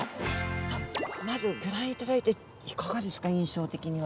さあまずギョ覧いただいていかがですか印象的には。